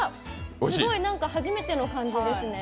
すごい何か初めての感じですね。